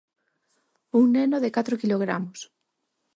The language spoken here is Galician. Un neno de catro quilogramos.